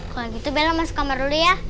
kalau gitu bela masuk kamar dulu ya